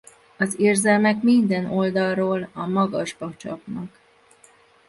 Az érzelmek minden oldalról a magasba csapnak.